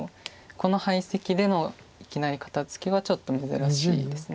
この配石でのいきなり肩ツキはちょっと珍しいです。